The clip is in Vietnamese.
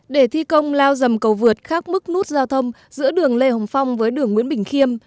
để thi công lao dầm cầu vượt khác mức nút giao thông giữa đường lê hồng phong với đường nguyễn bình khiêm